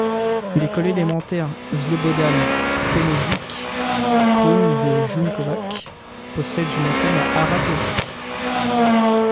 L'école élémentaire Slobodan Penezić Krcun de Junkovac possède une antenne à Arapovac.